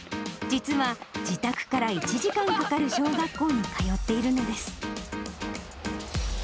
実は自宅から１時間かかる小学校に通っているのです。